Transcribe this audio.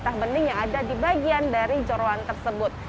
tergantung pada bagian jerawan tersebut